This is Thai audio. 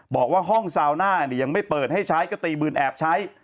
บอกว่าห้องซาวน่ายังไม่เปิดให้ใช้ก็ตีปืนแอบใช้